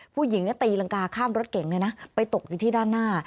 ผู้หญิงตีรังกาข้ามรถเก่งเลยนะไปตกอยู่ที่ด้านหน้า